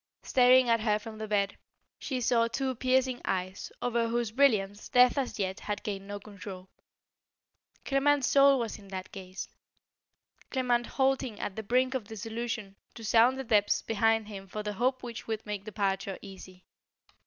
Staring at her from the bed, she saw two piercing eyes over whose brilliance death as yet had gained no control. Clements's soul was in that gaze; Clement halting at the brink of dissolution to sound the depths behind him for the hope which would make departure easy.